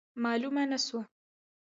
معلومه نه سوه.